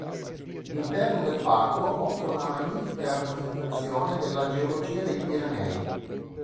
L'interno del parco offre una magnifica rappresentazione della geologia dei Pirenei.